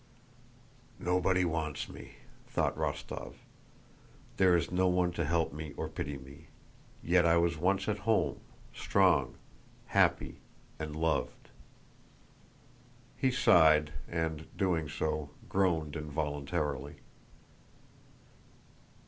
"Nobody wants me!" thought Rostóv. "There is no one to help me or pity me. Yet I was once at home, strong, happy, and loved." He sighed and, doing so, groaned involuntarily.